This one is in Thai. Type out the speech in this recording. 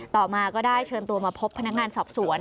ต่อมาก็ได้เชิญตัวมาพบพนักงานสอบสวน